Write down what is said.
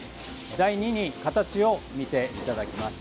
第２に形を見ていただきます。